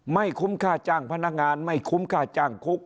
คุ้มค่าจ้างพนักงานไม่คุ้มค่าจ้างคุก